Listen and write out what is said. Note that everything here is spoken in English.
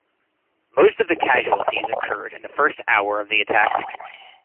Most of the casualties occurred in the first hour of the attack.